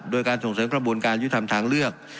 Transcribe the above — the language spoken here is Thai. โดยการส่งเสริมกระบวนการยุทธรรมทางเลือก